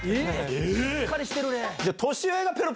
しっかりしてるね！